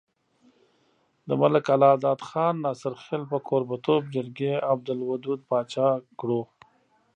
د ملک الله داد خان ناصرخېل په کوربه توب جرګې عبدالودو باچا کړو۔